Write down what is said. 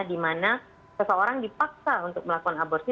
dimana seseorang dipaksa untuk melakukan aborsi